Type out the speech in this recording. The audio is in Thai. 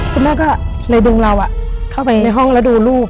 คุณแม่ก็เลยดึงเราเข้าไปในห้องแล้วดูลูก